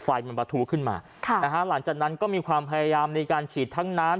ไฟมันประทู้ขึ้นมาค่ะนะฮะหลังจากนั้นก็มีความพยายามในการฉีดทั้งน้ำ